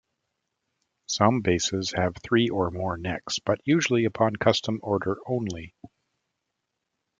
Some basses have three or more necks, but usually upon custom order only.